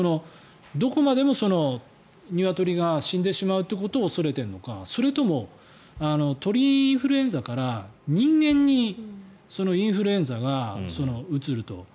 どこまでもニワトリが死んでしまうということを恐れているのかそれとも、鳥インフルエンザから人間にインフルエンザがうつると。